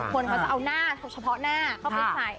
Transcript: คนเขาจะเอาหน้าเฉพาะหน้าเข้าไปใส่